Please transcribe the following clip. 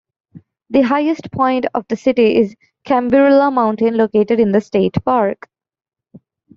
The highest point of the city is Cambirela mountain, located in the state park.